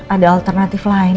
ada alternatif lain